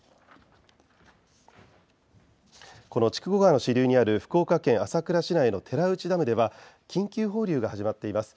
筑後川支流にある福岡県朝倉市内の寺内ダムでは緊急放流が始まっています。